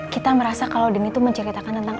kita merasa kalau denny tuh menceritakan tentang